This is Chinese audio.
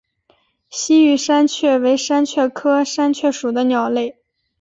西域山雀为山雀科山雀属的鸟类。